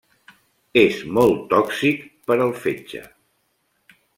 És molt tòxic per al fetge.